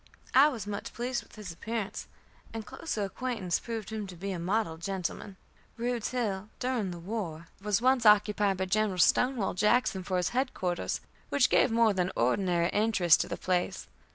I was much pleased with his appearance, and closer acquaintance proved him to be a model gentleman. Rude's Hill, during the war, was once occupied by General Stonewall Jackson for his head quarters, which gave more than ordinary interest to the place.